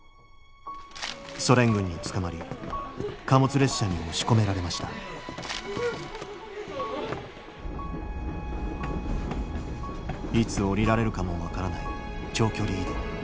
ソ連軍に捕まり貨物列車に押し込められましたいつ降りられるかも分からない長距離移動。